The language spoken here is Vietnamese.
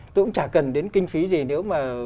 tôi cũng chả cần đến kinh phí gì nếu mà